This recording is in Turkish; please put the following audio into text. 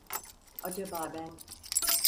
Acaba ben…